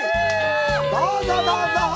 どうぞ、どうぞ！